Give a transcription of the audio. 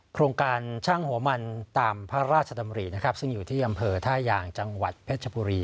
โครงการช่างหัวมันตามพระราชดำรินะครับซึ่งอยู่ที่อำเภอท่ายางจังหวัดเพชรบุรี